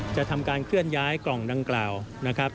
จะทำการเคลื่อนย้ายกล่องดังกล่าวนะครับ